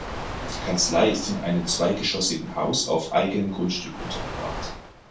Die Kanzlei ist in einem zweigeschossigen Haus auf eigenem Grundstück untergebracht.